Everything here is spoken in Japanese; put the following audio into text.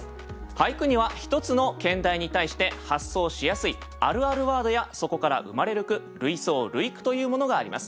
俳句には一つの兼題に対して発想しやすいあるあるワードやそこから生まれる句類想類句というものがあります。